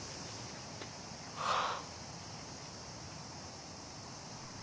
はあ。